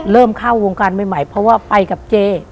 เริ่มเข้าวงการใหม่เพราะว่าไปกับเจ